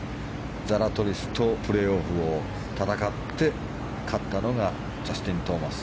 ザラトリスとプレーオフを戦って勝ったのがジャスティン・トーマス。